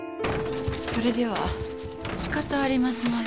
それではしかたありますまい。